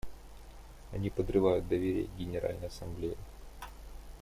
Они подрывают доверие к Генеральной Ассамблее.